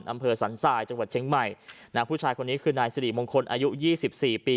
อำเภอสันทรายจังหวัดเชียงใหม่นะผู้ชายคนนี้คือนายสิริมงคลอายุยี่สิบสี่ปี